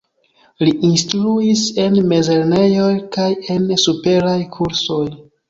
Li instruis en mezlernejoj kaj en superaj kursoj.